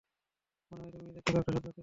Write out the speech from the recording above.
মনে হয় তুমি নিজে খুব একটা সৎ ব্যক্তি নও।